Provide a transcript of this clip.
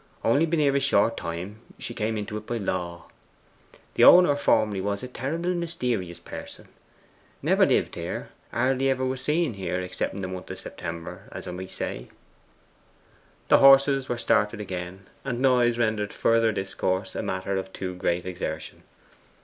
Only been here a short time; she came into it by law. The owner formerly was a terrible mysterious party never lived here hardly ever was seen here except in the month of September, as I might say.' The horses were started again, and noise rendered further discourse a matter of too great exertion.